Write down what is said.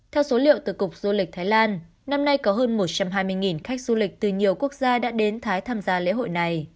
theo số liệu từ cục du lịch thái lan năm nay có hơn một trăm hai mươi khách du lịch từ nhiều quốc gia đã đến thái tham gia lễ hội này